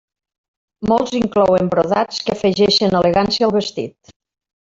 Molts inclouen brodats que afegeixen elegància al vestit.